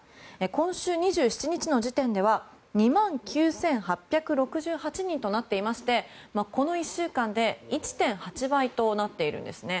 今週２７日の時点では２万９８６８人となっていましてこの１週間で１．８倍となっているんですね。